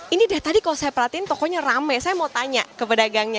ini deh tadi kalau saya perhatiin pokoknya rame saya mau tanya ke pedagangnya